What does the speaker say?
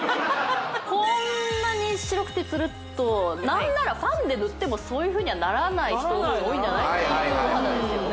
こんなに白くてツルっと何ならファンデ塗ってもそういうふうにはならない人の方が多いんじゃない？っていう肌ですよね・